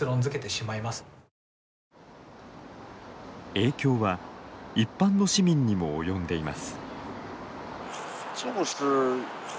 影響は一般の市民にも及んでいます。